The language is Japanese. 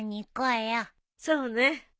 そうね。